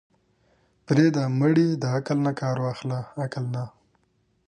پرېده مړې د عقل نه کار واخله عقل نه.